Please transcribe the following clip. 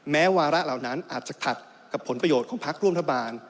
แม้วาระเหล่านั้นอาจจะถัดกับผลประโยชน์ของพักร่วมรัฐบาล